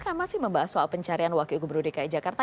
kami masih membahas soal pencarian wakil gubernur dki jakarta